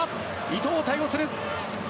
伊藤、対応する。